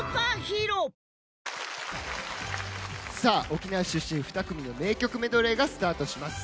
沖縄出身２組の名曲メドレーがスタートします。